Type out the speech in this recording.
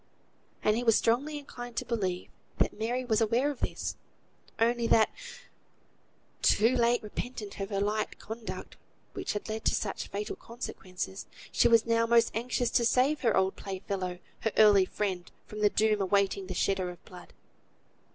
And he was strongly inclined to believe, that Mary was aware of this, only that, too late repentant of her light conduct which had led to such fatal consequences, she was now most anxious to save her old play fellow, her early friend, from the doom awaiting the shedder of blood.